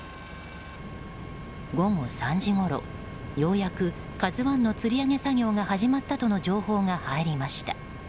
午後３時ごろようやく「ＫＡＺＵ１」のつり上げ作業が始まったとの情報が入りました。